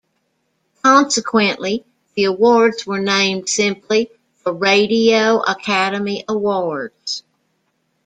Consequently, the awards were named simply "The Radio Academy Awards".